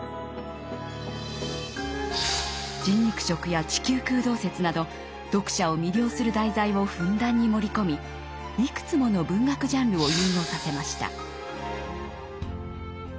人肉食や地球空洞説など読者を魅了する題材をふんだんに盛り込みいくつもの文学ジャンルを融合させました。